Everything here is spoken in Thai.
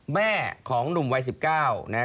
แม่ของหนุ่มวัย๑๙